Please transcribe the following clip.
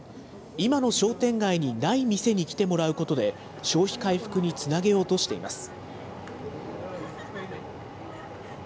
今の商店街にない店に来てもらうことで、消費回復につなげようとしています。